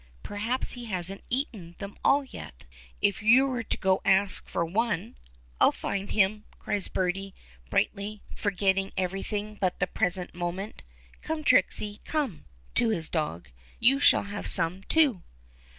Perhaps he hasn't eaten them all yet. If you were to ask him for one " "I'll find him," cries Bertie brightly, forgetting everything but the present moment. "Come, Trixy, come," to his dog, "you shall have some, too."